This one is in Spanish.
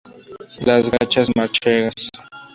Las gachas manchegas.